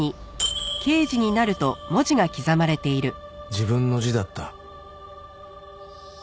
自分の字だった